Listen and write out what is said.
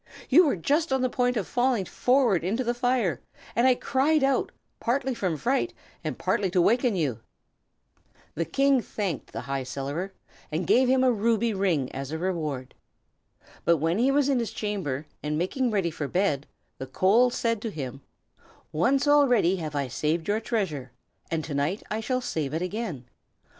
"You were just on the point of falling forward into the fire, and I cried out, partly from fright and partly to waken you." The King thanked the High Cellarer, and gave him a ruby ring as a reward. But when he was in his chamber, and making ready for bed, the coal said to him: "Once already have I saved your treasure, and to night I shall save it again.